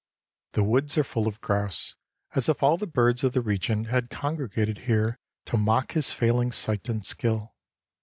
The woods are full of grouse, as if all the birds of the region had congregated here to mock his failing sight and skill.